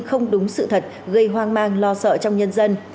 không đúng sự thật gây hoang mang lo sợ trong nhân dân